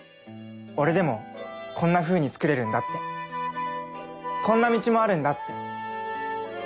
俺でもこんなふうに作れるんだってこんな道もあるんだって。